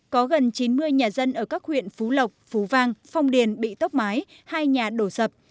có gần chín mươi nhà dân ở các huyện phú lộc phú vang phong điền bị tốc mái hai nhà đổ sập